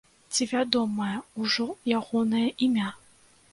Ці вядомае ўжо ягонае імя?